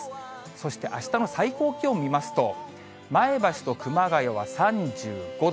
そしてあしたの最高気温見ますと、前橋と熊谷は３５度。